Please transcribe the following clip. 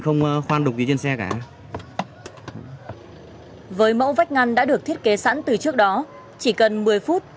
không còn đồng ký trên xe cả với mẫu vách ngăn đã được thiết kế sẵn từ trước đó chỉ cần một mươi phút